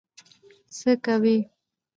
څه کوي.